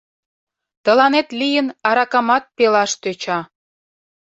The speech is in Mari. Тыланет лийын аракамат пелаш тӧча.